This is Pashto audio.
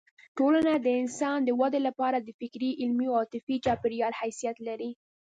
ټولنه د انسان د ودې لپاره د فکري، علمي او عاطفي چاپېریال حیثیت لري.